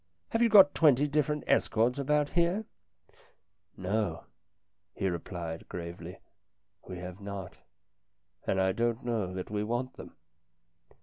" Have you got twenty different Estcourts about here ?" "No," he replied gravely, "we have not, and I don't know that we want them."